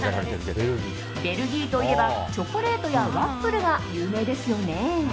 ベルギーといえばチョコレートやワッフルが有名ですよね。